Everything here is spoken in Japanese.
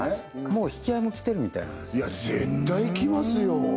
もう引き合いも来てるみたいなんですよね絶対来ますよ